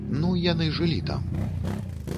Ну, яны жылі там.